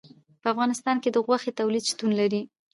په افغانستان کې د غوښې تولید شتون لري.